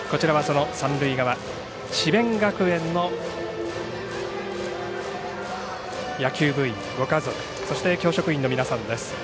三塁側、智弁学園の野球部員ご家族、そして教職員の皆さんです。